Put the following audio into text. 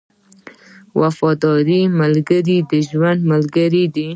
• وفادار ملګری د ژوند ملګری دی.